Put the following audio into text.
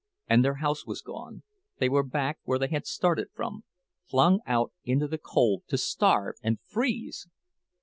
And their house was gone—they were back where they had started from, flung out into the cold to starve and freeze!